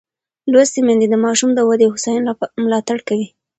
لوستې میندې د ماشوم د ودې او هوساینې ملاتړ کوي.